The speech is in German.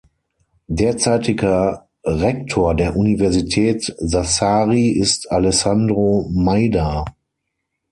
Derzeitiger Rektor der Universität Sassari ist Alessandro Maida.